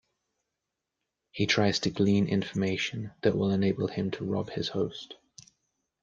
He tries to glean information that will enable him to rob his host.